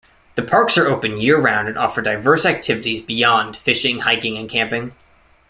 The parks are open year-round and offer diverse activities beyond fishing, hiking and camping.